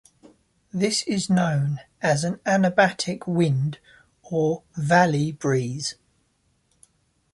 This is known as an anabatic wind or valley breeze.